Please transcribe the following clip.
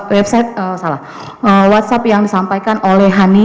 whatsapp yang disampaikan oleh hany